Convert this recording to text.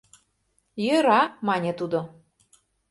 — Йӧра, — мане тудо.